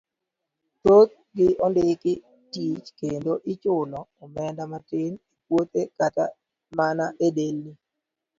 Thoth gi ondiki tich kendo ichulo omenda matin e puothe kata mana e delni.